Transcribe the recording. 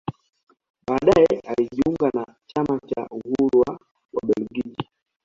Baadae alijiunga na chama cha Uhuru wa Wabelgiji